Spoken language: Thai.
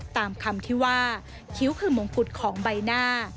ตามคำที่ว่าคิ้วคือมงกุฎของใบหน้า